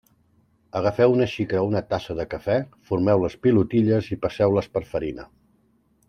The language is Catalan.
Agafeu una xicra o una tassa de cafè, formeu les pilotilles i passeu-les per farina.